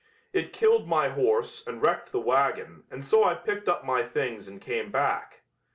It killed my horse and wrecked the wagon and so I picked up my things and came back.